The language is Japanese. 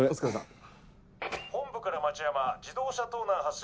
本部から町山自動車盗難発生。